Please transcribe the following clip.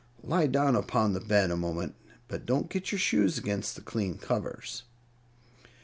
Lie down upon the bed a moment but don't get your shoes against the clean covers."